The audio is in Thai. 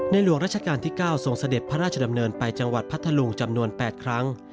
หลวงราชการที่๙ทรงเสด็จพระราชดำเนินไปจังหวัดพัทธลุงจำนวน๘ครั้ง